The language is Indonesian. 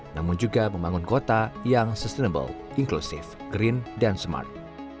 namun juga membangun kota yang sustainable inklusif green dan smart